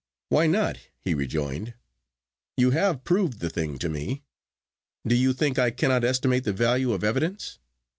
'Why not?' he rejoined. 'You have proved the thing to me. Do you think I cannot estimate the value of evidence?